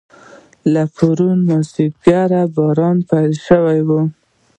له پرون مازیګر باران پیل شوی و.